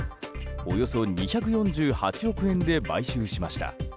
およそ２４８億円で買収しました。